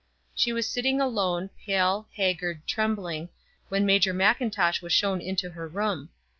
She was sitting alone, pale, haggard, trembling, when Major Mackintosh was shown into her room.